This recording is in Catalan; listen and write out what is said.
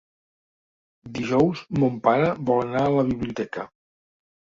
Dijous mon pare vol anar a la biblioteca.